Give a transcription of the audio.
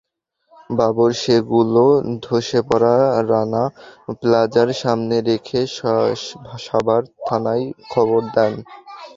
বাবর সেগুলো ধসে পড়া রানা প্লাজার সামনে রেখে সাভার থানায় খবর দেন।